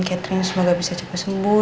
catering semoga bisa cepat sembuh